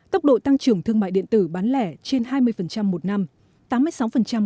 tốc độ tăng trưởng thương mại điện tử bán lẻ trên hai mươi một năm